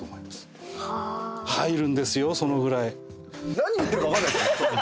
何言ってるか分かんないですよね。